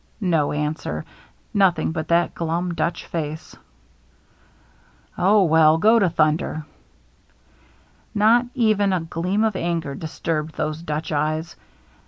No answer — nothing but that glum Dutch face. " Oh, well — go to thunder!" Not even a gleam of anger disturbed those Dutch eyes.